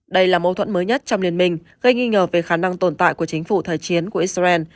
đây là mâu thuẫn mới nhất trong liên minh gây nghi ngờ về khả năng tồn tại của chính phủ thời chiến của israel